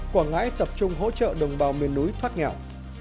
quảng ngãi tập trung hỗ trợ đồng bào miền núi thoát nghèo